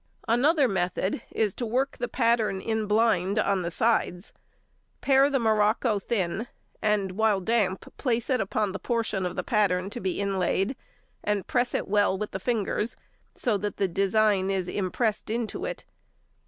Another method is to work the pattern in blind on the sides. Pare the morocco thin, and while damp place it upon the portion of the pattern to be inlaid, and press it well with the fingers, so that the design is impressed into it.